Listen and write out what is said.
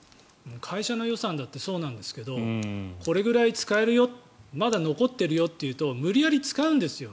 会社の予算だってそうなんですがこれぐらい使えるよまだ残っているよっていうと無理やり使うんですよ。